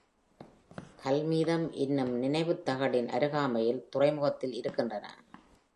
ஹல் மீதம் இன்னும் நினைவுத் தகடின் அருகாமையில் துறைமுகத்தில் இருக்கின்றன.